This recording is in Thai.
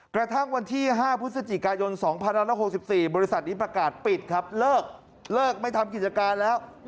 กระทั่งวันที่๕พฤศจิกายน๒๑๖๔บริษัทนี้ประกาศปิดครับเลิกเลิกไม่ทำกิจการแล้ว